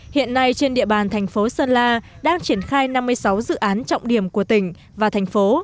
hiện nay trên địa bàn thành phố sơn la đang triển khai năm mươi sáu dự án trọng điểm của tỉnh và thành phố